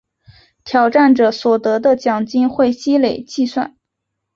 挑战者所得的奖金会累积计算。